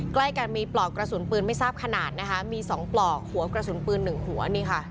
ใกล้กันมีปลอกกระสุนปืนไม่ทราบขนาดนะคะมี๒ปลอกหัวกระสุนปืนหนึ่งหัวนี่ค่ะ